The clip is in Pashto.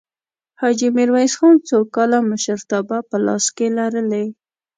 حاجي میرویس خان څو کاله مشرتابه په لاس کې لرلې؟